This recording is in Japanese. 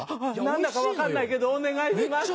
何だか分かんないけどお願いします。